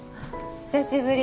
久しぶり。